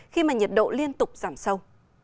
khi mà nhiệt độ liên tục giảm sâu